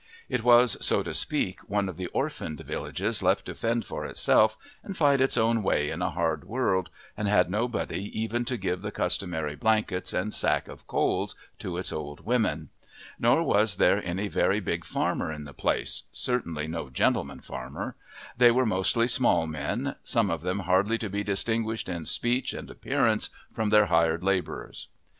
It was, so to speak, one of the orphaned villages left to fend for itself and fight its own way in a hard world, and had nobody even to give the customary blankets and sack of coals to its old women. Nor was there any very big farmer in the place, certainly no gentleman farmer; they were mostly small men, some of them hardly to be distinguished in speech and appearance from their hired labourers.